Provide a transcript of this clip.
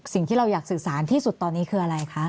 สิ่งที่เราอยากสื่อสารที่สุดตอนนี้คืออะไรคะ